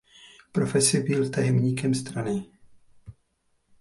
Profesí byl tajemníkem strany.